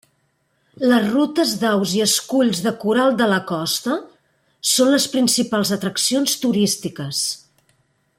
Les rutes d'aus i esculls de coral de la costa són les principals atraccions turístiques.